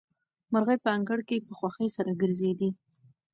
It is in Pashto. مرغۍ په انګړ کې په خوښۍ سره ګرځېدې.